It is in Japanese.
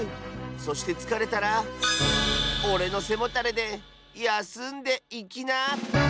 そしてつかれたらおれのせもたれでやすんでいきな！